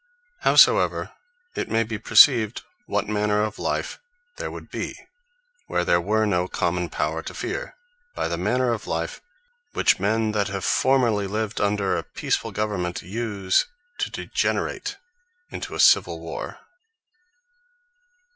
Howsoever, it may be perceived what manner of life there would be, where there were no common Power to feare; by the manner of life, which men that have formerly lived under a peacefull government, use to degenerate into, in a civill Warre.